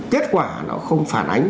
kết quả nó không phản ánh